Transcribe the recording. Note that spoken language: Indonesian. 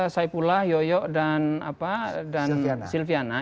saifullah yoyo dan sylviana